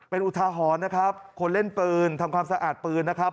เป็นอุทาหรณ์นะครับคนเล่นปืนทำความสะอาดปืนนะครับ